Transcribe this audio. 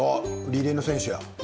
リレーの選手や。